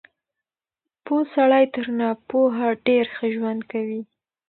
پوه سړی تر ناپوهه ډېر ښه ژوند کوي.